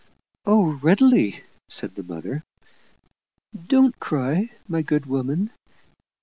"Oh, readily!" said the mother. "Don't cry, my good women.